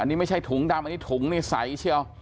อันนี้ไม่ใช่ถุงดำอันนี้ถุงใสเชียว